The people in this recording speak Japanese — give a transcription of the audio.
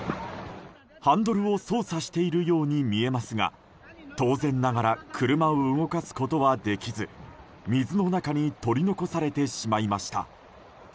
ハンドルを操作しているように見えますが当然ながら車を動かすことはできず水の中に取り残されてしまいました。